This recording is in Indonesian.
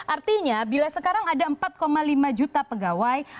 artinya bila sekarang ada empat lima juta pegawai